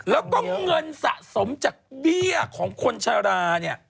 แล้วก็เงินสะสมจากเบี้ยของคนชะลาเนี่ย